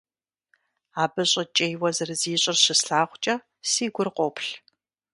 Абы щӀыкӀейуэ зэрызищӀыр щыслъагъукӀэ, си гур къоплъ.